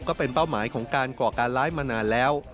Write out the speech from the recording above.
ก็เป็นเป้าหมายของการก่อการร้ายมานานแล้ว